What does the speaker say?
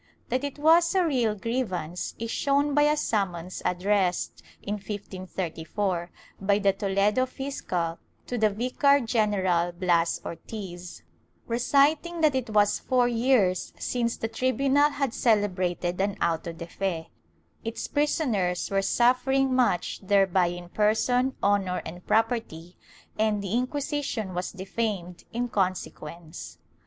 '' That it was a real grievance is shown by a summons addressed, in 1534, by the Toledo fiscal to the Vicar general Bias Ortiz, reciting that it was four years since the tribu nal had celebrated an auto de fe; its prisoners were suffering much thereby in person, honor, and property, and the Inquisition was defamed in consequence.